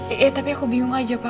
iya tapi aku bingung aja pak